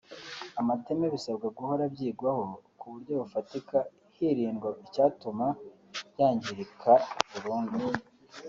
amateme bisabwa guhora byibwaho ku buryo bufatika hirindwa icyatuma byangirika burundu